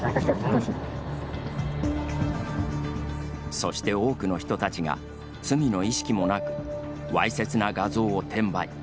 そして多くの人たちが罪の意識もなくわいせつな画像を転売。